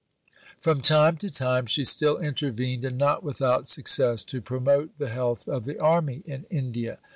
From time to time she still intervened, and not without success, to promote the health of the Army in India.